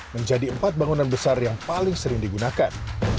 menjadi empat bangunan besar yang paling sering digunakan